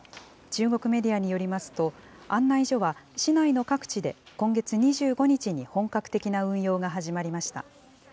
中国メディアによりますと、案内所は市内の各地で、今月２５日に本格的な運用が始まりました。